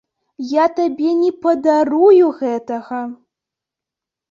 Я табе не падарую гэтага!